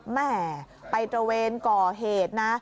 แม่ไปตระเวนก่อเหตุนะ